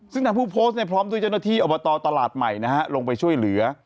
ซึ่งทางผู้โพสต์พร้อมด้วยเจ้าหน้าที่อบตตลาดใหม่ลงไปช่วยเหลือ